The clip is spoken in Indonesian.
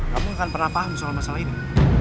kamu akan pernah paham soal masalah ini